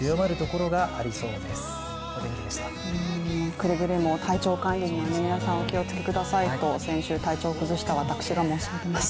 くれぐれも体調管理にはお気をつけくださいと先週、体調を崩した私が申し上げます。